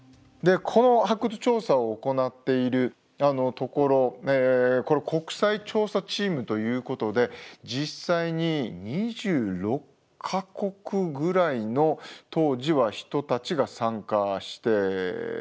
この発掘調査を行っているところ国際調査チームということで実際に２６か国ぐらいの当時は人たちが参加していました。